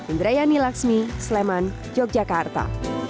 indrayani laksmi sleman yogyakarta